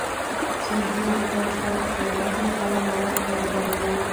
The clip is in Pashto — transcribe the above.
سیندونه د افغانستان د صنعت لپاره مواد برابروي.